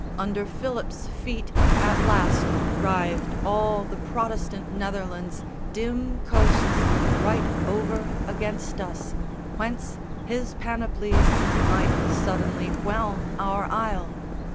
Under Philip's feet at last Writhed all the Protestant Netherlands, dim coasts Right over against us, whence his panoplies Might suddenly whelm our isle.